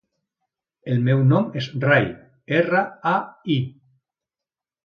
El meu nom és Rai: erra, a, i.